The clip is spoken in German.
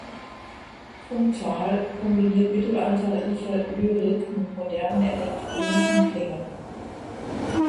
Qntal kombiniert mittelalterliche Lyrik mit modernen elektronischen Klängen.